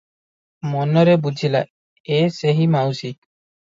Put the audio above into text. ମନରେ ବୁଝିଲା, ଏ ସେହି ମାଉସୀ ।